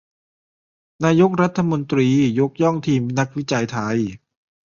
นายกรัฐมนตรียกย่องทีมนักวิจัยไทย